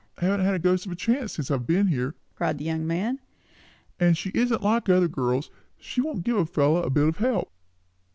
"Haven't had a ghost of a chance, since I have been here!" cried the young man; "and she isn't like other girls; she don't give a fellow a bit of help."